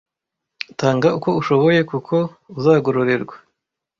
tanga uko ushoboye kuko uzagororerwa